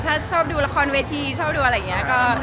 ถ้าชอบดูละครเวทีชอบดูอะไรอย่างนี้